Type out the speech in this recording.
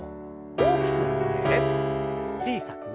大きく振って小さく。